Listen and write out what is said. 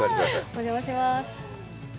お邪魔します。